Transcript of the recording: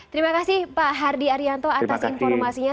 terima kasih pak hardy arianto atas informasinya